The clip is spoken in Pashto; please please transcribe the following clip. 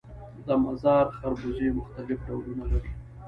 د مزار خربوزې مختلف ډولونه لري